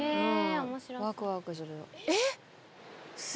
えっ？